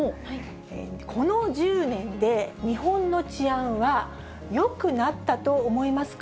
この１０年で、日本の治安はよくなったと思いますか？